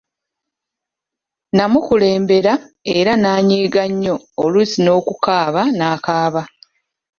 Namukulembera era n’anyiiga nnyo oluusi n'okukaaba nakaaba.